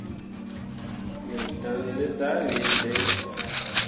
Me ɗaŋne dah wii sen.